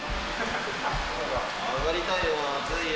上がりたいよ、熱いよ。